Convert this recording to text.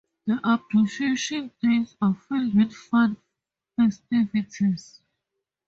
The Appreciation Days are filled with fun festivities.